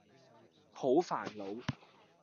好苦惱